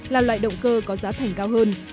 là loại động cơ có giá thành cao hơn